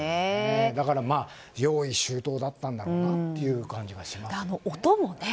だから用意周到だったんだろうという感じがしますね。